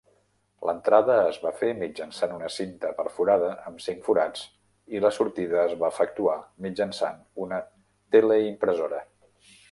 L'entrada es va fer mitjançant una cinta perforada amb cinc forats i la sortida es va efectuar mitjançant una teleimpressora.